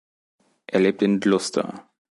Er lebt in Gloucester.